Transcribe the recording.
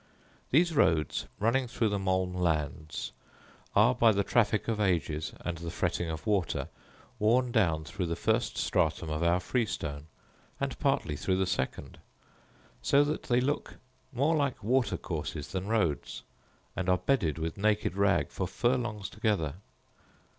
These roads, running through the malm lands, are, by the traffic of ages, and the fretting of water, worn down through the first stratum of our freestone, and partly through the second; so that they look more like water courses than roads; and are bedded with naked rag for furlongs together.